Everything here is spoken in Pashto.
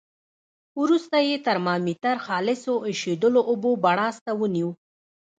وروسته یې ترمامتر خالصو ایشېدلو اوبو بړاس ته ونیو.